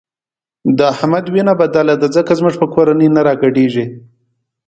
د احمد وینه بدله ده ځکه زموږ په کورنۍ نه راګډېږي.